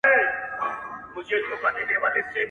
چي ستا د لبو نشه راکړي میکدې لټوم-